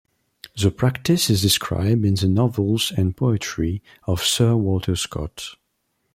The practice is described in the novels and poetry of Sir Walter Scott.